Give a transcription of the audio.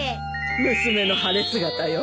娘の晴れ姿よ。